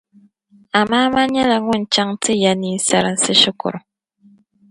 Amaama nyɛla ŋun chaŋ ti ya ninsarinsi shikuru.